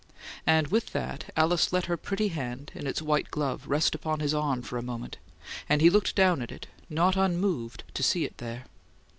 And with that, Alice let her pretty hand, in its white glove, rest upon his arm for a moment; and he looked down at it, not unmoved to see it there.